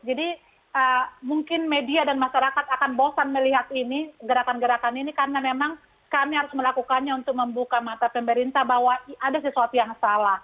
jadi mungkin media dan masyarakat akan bosan melihat ini gerakan gerakan ini karena memang kami harus melakukannya untuk membuka mata pemerintah bahwa ada sesuatu yang salah